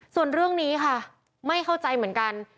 ส่วนเรื่องนี้ค่ะไม่เข้าใจเหมือนกัน